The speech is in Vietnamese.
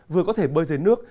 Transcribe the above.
vừa có thể bơi dưới nước